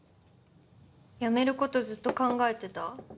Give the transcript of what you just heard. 辞めることずっと考えてた？